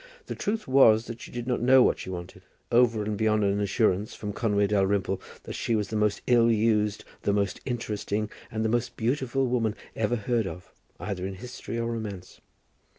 The truth was that she did not know what she wanted, over and beyond an assurance from Conway Dalrymple that she was the most ill used, the most interesting, and the most beautiful woman ever heard of, either in history or romance.